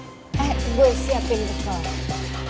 eh gue siapin dulu kak